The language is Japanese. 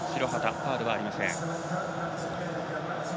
ファウルはありません。